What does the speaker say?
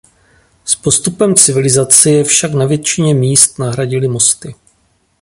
S postupem civilizace je však na většině míst nahradily mosty.